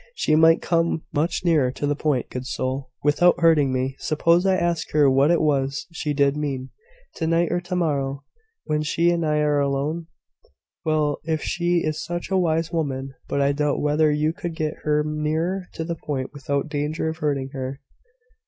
She might come much nearer to the point, good soul! without hurting me. Suppose I ask her what it was she did mean, to night or to morrow, when she and I are alone?" "Well! if she is such a wise woman . But I doubt whether you could get her nearer to the point without danger of hurting her.